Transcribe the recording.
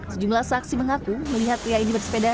sejumlah saksi mengaku melihat pria ini bersepeda